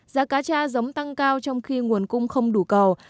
giá cá cha giống tăng cao trong khi nguồn cung không đủ cầu